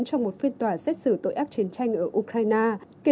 trong một phiên tòa xét xử tội ác chiến tranh ở ukraine